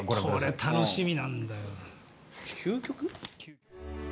これ、楽しみなんだよな。